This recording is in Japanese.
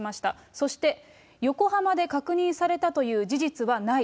そして、横浜で確認されたという事実はない。